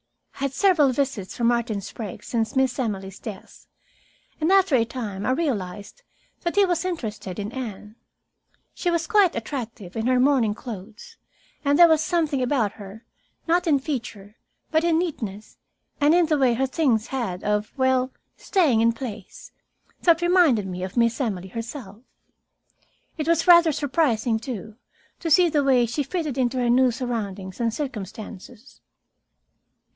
I had several visits from Martin Sprague since Miss Emily's death, and after a time I realized that he was interested in Anne. She was quite attractive in her mourning clothes, and there was something about her, not in feature, but in neatness and in the way her things had of, well, staying in place, that reminded me of Miss Emily herself. It was rather surprising, too, to see the way she fitted into her new surroundings and circumstances.